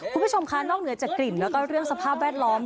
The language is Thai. คุณผู้ชมค่ะนอกเหนือจากกลิ่นแล้วก็เรื่องสภาพแวดล้อม